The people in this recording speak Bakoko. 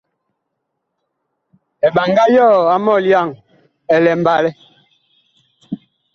Eɓaŋga yɔɔ a mɔlyaŋ ɛ mbalɛ.